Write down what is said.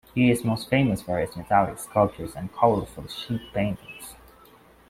He is most famous for his metallic sculptures and colorful sheep paintings.